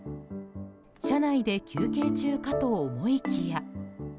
車内で休憩中かと思いきや。